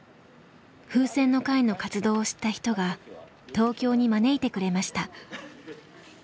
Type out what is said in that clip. ふうせんの会の活動を知った人が東京に招いてくれました。